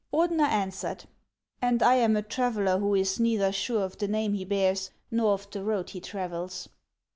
Ordener answered :" And I am a traveller, who is neither sure of the name he bears nor of the road he travels."